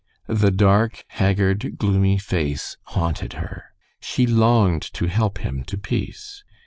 The dark, haggard, gloomy face haunted her. She longed to help him to peace.